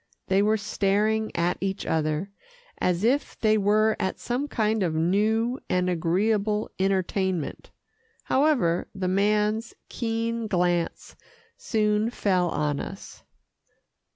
They were staring at each other, as if they were at some kind of new and agreeable entertainment. However, the man's keen glance soon fell on us.